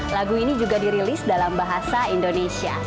lagu ini juga dirilis dalam bahasa indonesia